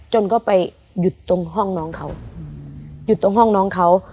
จนก็ไปหยุดตรงห้องน้องเขาหยุดตรงห้องน้องเขา